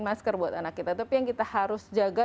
masker buat anak kita tapi yang kita harus jaga